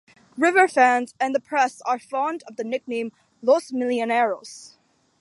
River fans and the press are fond of the nickname "Los Millonarios".